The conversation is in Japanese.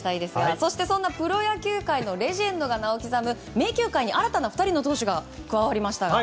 そしてそんなプロ野球界のレジェンドに名を刻む名球会に新たな２人の投手が加わりました。